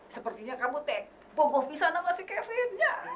sepertinya kamu tess bongkoh pisang dengan kevin